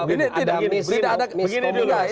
ini tidak ada miskomunikasi